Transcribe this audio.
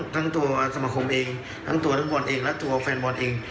ทั้งตัวสมคมเองทั้งตัวทั้งบอลเองและตัวแฟนบอลเอง